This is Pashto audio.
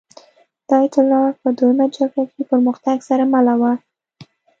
د اېتلاف په دویمه جګړه کې پرمختګ سره مله وه.